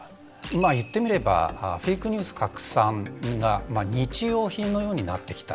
まあ言ってみればフェイクニュース拡散が日用品のようになってきた。